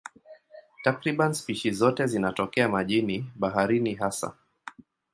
Takriban spishi zote zinatokea majini, baharini hasa.